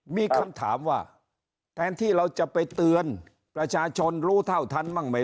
มีคำถามว่าแทนที่เราจะไปเตือนประชาชนรู้เท่าทันบ้างไหม